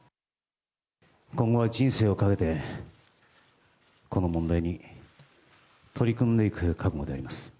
今後は人生をかけて、この問題に取り組んでいく覚悟であります。